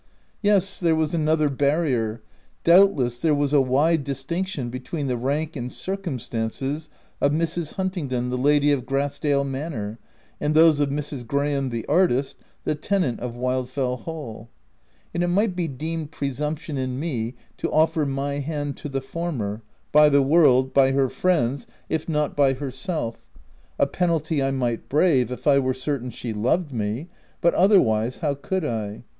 Yes, there was another barrier : doubt less there was a wide distinction between the rank and circumstances of Mrs. Huntingdon, the lady of Grass dale Manor, and those of Mrs. Graham the artist, the tenant of Wildfell Hall ; and it might be deemed presumption in me to offer my hand to the former — by the world, by her friends — if not by herself — a penalty I might brave, if I were certain she loved me; but otherwise, how could I